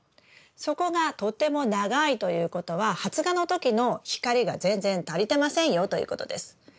そこがとても長いということは発芽の時の光が全然足りてませんよということです。